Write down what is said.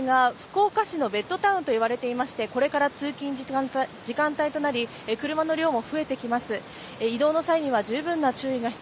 この那珂川市は福岡のベッドタウンと言われていてこれから通勤時間帯となり車の量も増えてきます。